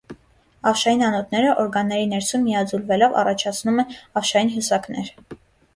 Ավշային անոթները, օրգանների ներսում միաձուլվելով, առաջացնում են ավշային հյուսակներ։